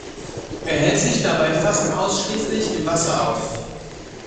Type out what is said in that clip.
Er hält sich dabei fast ausschließlich im Wasser auf.